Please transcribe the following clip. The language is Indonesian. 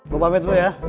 gue pamit dulu ya